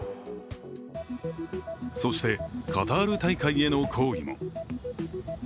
そして、カタール大会への抗議も。